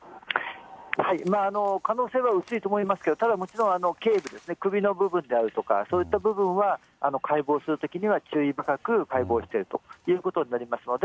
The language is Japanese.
可能性は薄いと思いますけど、ただ、もちろんけい部ですね、首の部分であるとか、そういった部分は、解剖するときには注意深く解剖していくということになりますので、